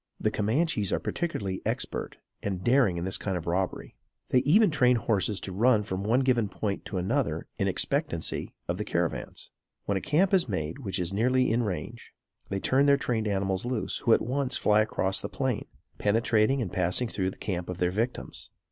The Camanches are particularly expert and daring in this kind of robbery. They even train horses to run from one given point to another in expectancy of caravans. When a camp is made which is nearly in range they turn their trained animals loose, who at once fly across the plain, penetrating and passing through the camp of their victims.